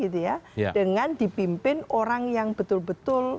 dengan dipimpin orang yang betul betul